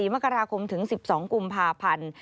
มกราคมถึง๑๒กุมภาพันธ์